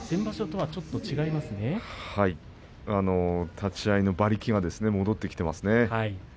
はい、立ち合いの馬力が戻ってきていますね。